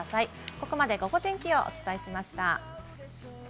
ここまでゴゴ天気をお伝えしました。